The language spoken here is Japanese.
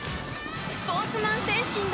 スポーツマン精神だ！